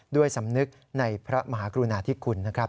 ด้วยสำนึกในพระมหากรุณาธิคุณนะครับ